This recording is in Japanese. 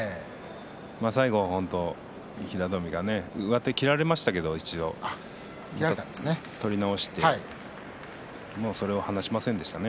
最後は平戸海、一度上手を切られましたけれども取り直してそれを離しませんでしたね。